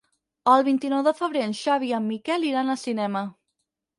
El vint-i-nou de febrer en Xavi i en Miquel iran al cinema.